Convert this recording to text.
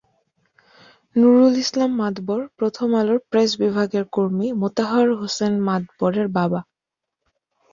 নুরুল ইসলাম মাদবর প্রথম আলোর প্রেস বিভাগের কর্মী মোতাহার হোসেন মাদবরের বাবা।